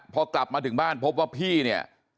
พอกลับมาถึงบ้านพบว่าพี่เนี่ย